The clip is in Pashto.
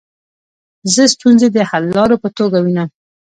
زه ستونزي د حللارو په توګه وینم.